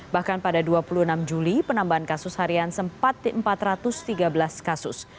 bahkan pada dua puluh enam juli penambahan kasus harian sempat empat ratus tiga belas kasus